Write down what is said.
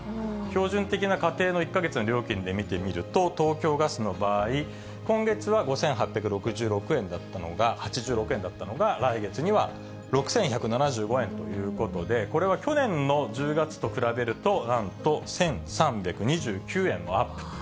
標準的な家庭の１か月の料金で見てみると、東京ガスの場合、今月は５８８６円だったのが、来月には６１７５円ということで、これは去年の１０月と比べると、なんと１３２９円のアップ。